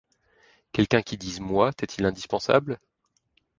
Quelqu’un qui dise moi t’est-il indispensable ?